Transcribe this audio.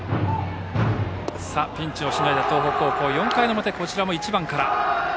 ピンチをしのいだ東北高校４回の表、こちらも１番から。